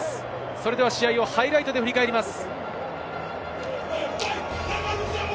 それでは試合をハイライトで振り返ります。